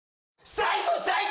最高！